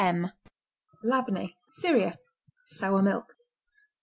L Labneh Syria Sour milk.